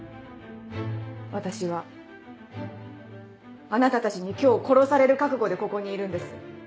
私はあなたたちに今日殺される覚悟でここにいるんです。